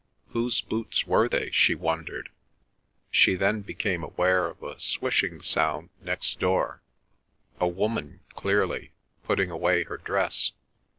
Whose boots were they, she wondered. She then became aware of a swishing sound next door—a woman, clearly, putting away her dress.